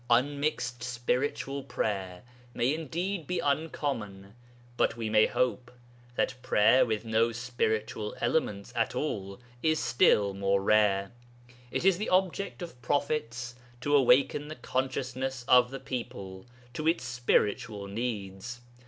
Unmixed spiritual prayer may indeed be uncommon, but we may hope that prayer with no spiritual elements at all is still more rare. It is the object of prophets to awaken the consciousness of the people to its spiritual needs.